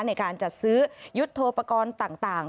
ในการจัดซื้อยุทธโปรกรณ์ต่าง